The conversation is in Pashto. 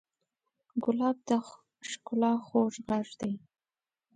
ګلاب د ښکلا خوږ غږ دی.